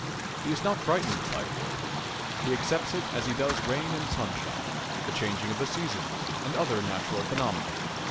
He is not frightened by war. He accepts it as he does rain and sunshine, the changing of the seasons, and other natural phenomena.